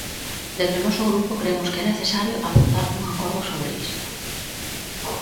Dende o noso grupo cremos que é necesario adoptar un acordo sobre isto.